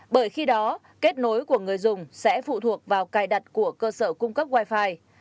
bởi khi đó kết nối của người dùng sẽ phụ thuộc vào cài đặt của cơ sở cung cấp wifi